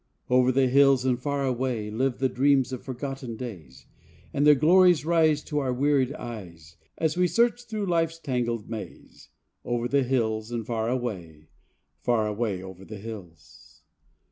64 "Over the hills and far away" Live the dreams of forgotten days, And their glories rise To our wearied eyes As we search through life's tangled maze, "Over the hills and far away," Far away over the hills.